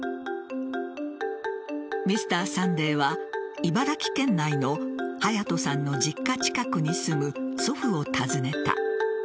「Ｍｒ．サンデー」は茨城県内の隼都さんの実家近くに住む祖父を訪ねた。